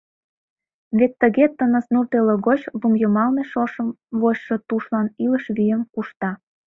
Вет тыге тыныс нур телыгоч лум йымалне Шошым вочшо тушлан илыш вийым кушта.